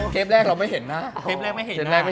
เทปแรกเราไม่เห็นหน้า